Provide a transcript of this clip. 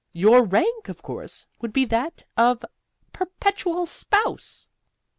Your rank, of course, would be that of Perpetual Spouse."